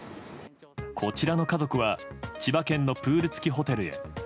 こちらの家族は千葉県のプール付きホテルへ。